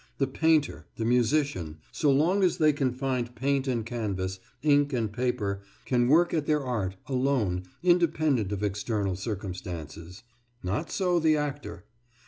The painter, the musician, so long as they can find paint and canvas, ink and paper, can work at their art, alone, independent of external circumstances. Not so the actor.